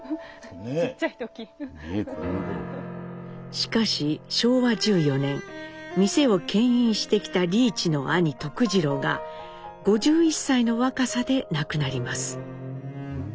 しかし昭和１４年店を牽引してきた利一の兄徳治郎が５１歳の若さで亡くなります。